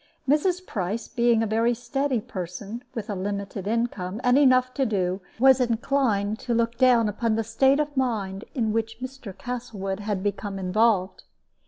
Mrs. Price, being a very steady person, with a limited income, and enough to do, was inclined to look down upon the state of mind in which Mr. Castlewood became involved.